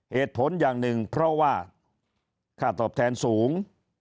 เหตุผลอย่างหนึ่งเพราะว่าค่าตอบแทนสูง